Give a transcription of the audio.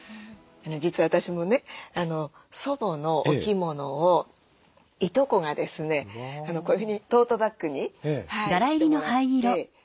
実は私もね祖母のお着物をいとこがですねこういうふうにトートバックにしてもらって。